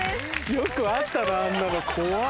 よくあったなあんなの怖っ！